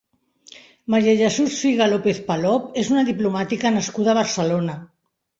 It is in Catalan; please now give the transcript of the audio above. María Jesús Figa López-Palop és una diplomàtica nascuda a Barcelona.